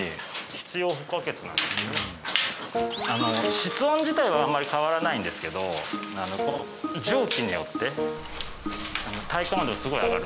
室温自体はあんまり変わらないんですけど蒸気によって体感温度がすごい上がるんです。